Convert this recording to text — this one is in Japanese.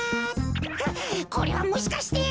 これはもしかして！